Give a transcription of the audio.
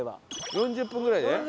４０分ぐらいで？